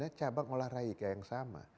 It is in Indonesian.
nah itu membina cabang olahraika yang sama